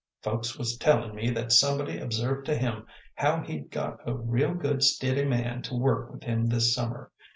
Folks was tellin' me that somebody observed to him how he'd got a real good, stiddy man to work with him this summer.